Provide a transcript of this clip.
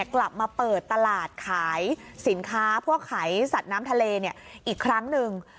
กลับมาเปิดตลาดขายสินค้าพวกขายสัตว์น้ำทะเลอีกครั้งหนึ่ง